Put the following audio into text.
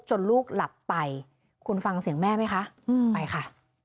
ลูกหลับไปคุณฟังเสียงแม่ไหมคะไปค่ะ